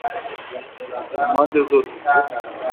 Ku mpande zose pe